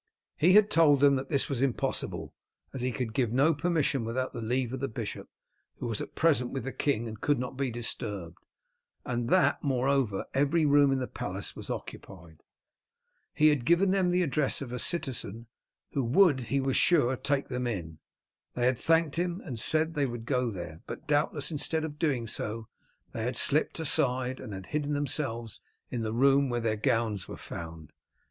He had told them that this was impossible, as he could give no permission without the leave of the bishop, who was at present with the king and could not be disturbed, and that, moreover, every room in the palace was occupied. He had given them the address of a citizen, who would he was sure take them in. They had thanked him, and said that they would go there, but doubtless instead of doing so they had slipped aside, and had hidden themselves in the room where their gowns were found.